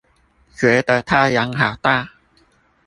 覺得太陽好大